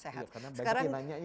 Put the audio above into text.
karena banyak yang nanya itu